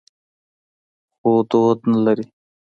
خو دود نه لري.